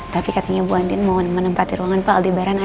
tapi katanya bu andin mau menempat di ruangan pak aldebaran aja